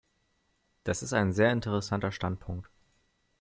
Das ist ein sehr interessanter Standpunkt.